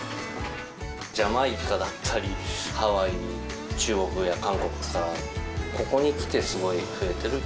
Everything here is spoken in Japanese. ジャマイカだったり、ハワイ、中国や韓国とか、ここにきて、すごい増えてる。